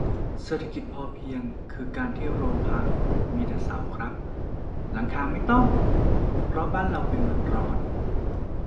เศรษฐกิจพอเพียงคือการที่โรงพักมีแต่เสาครับ หลังคาไม่ต้อง เพราะบ้านเราเป็นเมืองร้อน